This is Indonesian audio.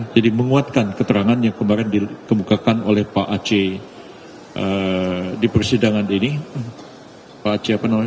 jadi menguatkan keterangan yang kemarin dikemukakan oleh pak aceh di persidangan ini